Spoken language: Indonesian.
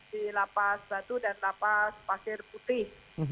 di lapas batu dan lapas pasir putih